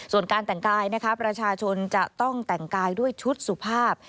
ส่วนการแต่งกายนะคะประชาชนจะต้องแต่งกายด้วยชุดสุภาพ